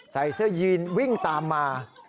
ใส่เสื้อยีนวิ่งตามมา